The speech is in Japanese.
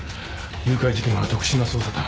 誘拐事件は特殊な捜査だ。